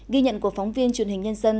ghi nhận của phóng viên truyền hình nhân dân